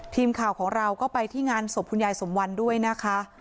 ทีมข่าวของเราก็ไปที่งานศพคุณยายสมวันด้วยนะคะ